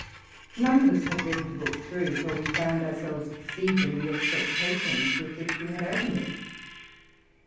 Not one of us had read the book through, for we found ourselves deceived in the expectations with which we had opened it.